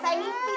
saya yang dapet